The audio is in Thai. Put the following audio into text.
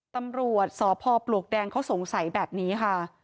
ตำรวจสพปลวกแดงเขาสงสัยแบบนี้ค่ะ